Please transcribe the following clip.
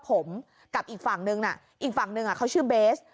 ผมกับอีกฝั่งนึงน่ะอีกฝั่งหนึ่งเขาชื่อเบส